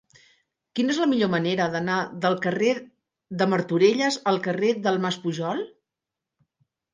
Quina és la millor manera d'anar del carrer de Martorelles al carrer del Mas Pujol?